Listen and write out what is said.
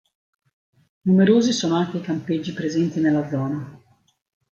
Numerosi sono anche i campeggi presenti nella zona.